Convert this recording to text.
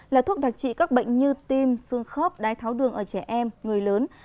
là thuốc đặc trị các bệnh như tim xương khớp đái tháo đường ở trẻ em người lớn